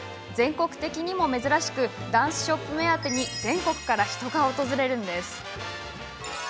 全国的にも珍しくダンスショップ目当てに全国から人が訪れるんです。